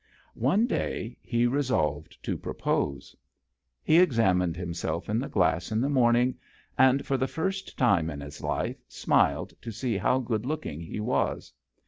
One day he resolved to propose* "64 JOHN SHERMAN. He examined himself in the glass in the morning ; and for the first time in his life smiled to see how good looking he was.